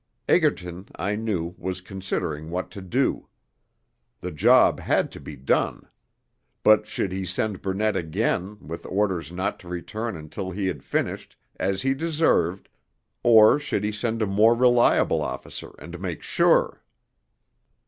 Egerton, I knew, was considering what to do. The job had to be done. But should he send Burnett again, with orders not to return until he had finished, as he deserved, or should he send a more reliable officer and make sure?